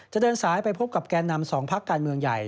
จะเดินสายไปพบกับแกนนำสองภักดิ์การเมืองใหญ่